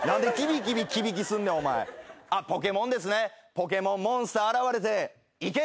ポケモンモンスター現れて。